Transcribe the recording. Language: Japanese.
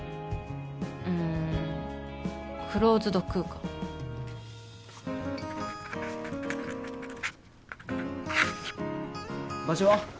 うんクローズド空間場所は？